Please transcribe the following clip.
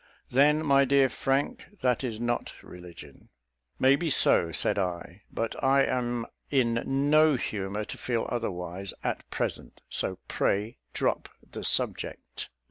"Then, my dear Frank, that is not religion." "May be so," said I; "but I am in no humour to feel otherwise, at present, so pray drop the subject."